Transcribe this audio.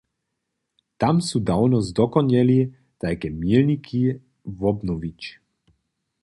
Tam su dawno zdokonjeli tajke milniki wobnowić.